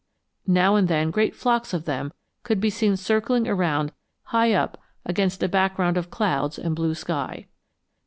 Now and then great flocks of them could be seen circling around high up against a background of clouds and blue sky.